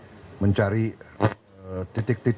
yang bisa kita mencari untuk mencapai kepentingan